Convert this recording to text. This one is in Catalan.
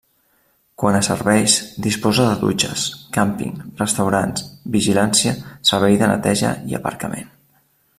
Quant a serveis, disposa de dutxes, càmping, restaurants, vigilància, servei de neteja i aparcament.